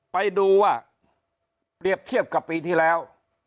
ไปดูว่าเปรียบเทียบกับปีที่แล้ว